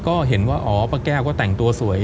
ก็เห็นว่าอ๋อป้าแก้วก็แต่งตัวสวย